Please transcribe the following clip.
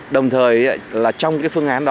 đồng thời là trong cái phương án đó